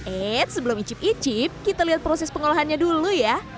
eits sebelum icip icip kita lihat proses pengolahannya dulu ya